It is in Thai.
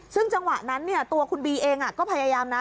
ซึ่งจังหวะนั้นตัวคุณบีเองก็พยายามนะ